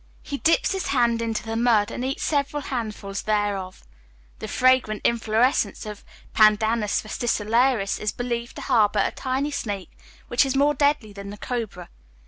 He dips his hands into the mud, and eats several handfuls thereof. The fragrant inflorescence of Pandanus fascicularis is believed to harbour a tiny snake, which is more deadly than the cobra.